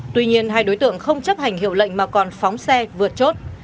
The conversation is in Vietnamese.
tuy nhiên hai đối tượng không chấp hành hiệu lệnh mà còn phóng xe vượt chốt